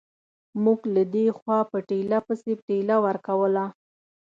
موږ له دې خوا په ټېله پسې ټېله ورکوله.